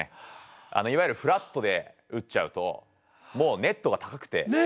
いわゆるフラットで打っちゃうともうネットが高くて。